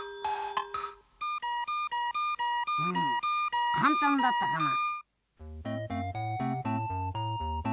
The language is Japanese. うんかんたんだったかな。